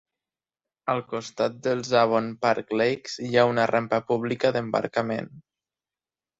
Al costat dels Avon Park Lakes hi ha una rampa pública d'embarcament.